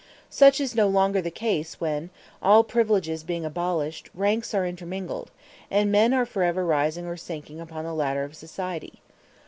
Such is no longer the case when, all privileges being abolished, ranks are intermingled, and men are forever rising or sinking upon the ladder of society.